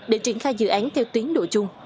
để triển khai dự án theo tuyến độ chung